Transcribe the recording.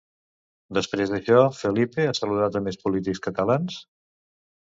Després d'això, Felipe ha saludat a més polítics catalans?